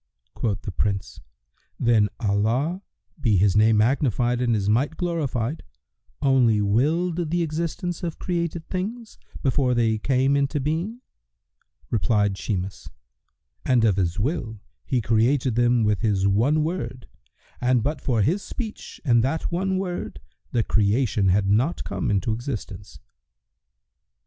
Quoth the Prince, "Then Allah (be His name magnified and His might glorified!) only willed the existence of created things, before they came into being?" Replied Shimas, "And of His will, He created them with His one Word and but for His speech and that one Word, the creation had not come into existence."